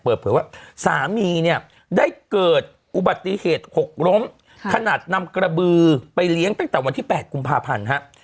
เปิดเผยว่าสามีเนี่ยได้เกิดอุบัติเหตุหกล้มขนาดนำกระบือไปเลี้ยงตั้งแต่วันที่๘กุมภาพันธ์ฮะ